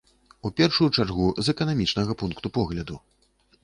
У першую чаргу з эканамічнага пункту погляду.